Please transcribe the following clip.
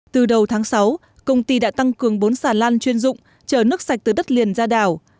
từ đầu tháng sáu công ty đã tăng cường bốn xà lan chuyên dụng chở nước sạch từ đất liền ra đảo